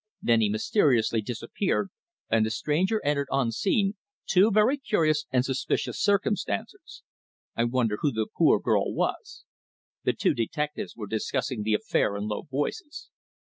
Then he mysteriously disappeared, and the stranger entered unseen, two very curious and suspicious circumstances. I wonder who the poor girl was?" The two detectives were discussing the affair in low voices.